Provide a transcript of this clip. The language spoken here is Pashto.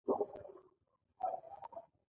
هر څه باید د الله ﷻ څخه وغوښتل شي